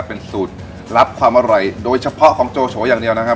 เป็นสูตรลับความอร่อยโดยเฉพาะของโจโฉอย่างเดียวนะครับ